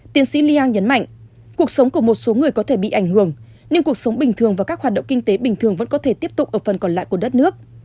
tiến sĩ liang nhấn mạnh cuộc sống của một số người có thể bị ảnh hưởng nên cuộc sống bình thường và các hoạt động kinh tế bình thường vẫn có thể tiếp tục ở phần còn lại của đất nước